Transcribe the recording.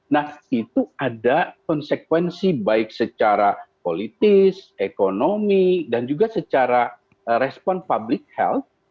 nah itu ada konsekuensi baik secara politis ekonomi dan juga secara respon public health